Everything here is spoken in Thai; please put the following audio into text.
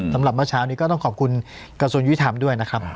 เมื่อเช้านี้ก็ต้องขอบคุณกระทรวงยุทธรรมด้วยนะครับ